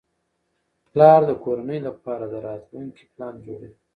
پلار د کورنۍ لپاره د راتلونکي پلان جوړوي